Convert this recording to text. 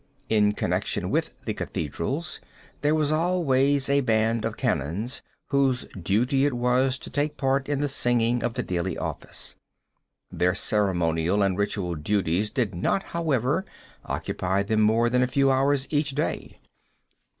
In connection with the cathedrals there was always a band of canons whose duty it was to take part in the singing of the daily office. Their ceremonial and ritual duties did not, however, occupy them more than a few hours each day.